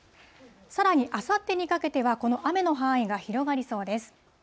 さらにあさってにかけては、この雨の範囲が広がりそうです。